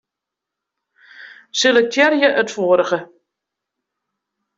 Selektearje it foarige.